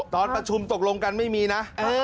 ตอนประชุมตกลงกันไม่มีนะ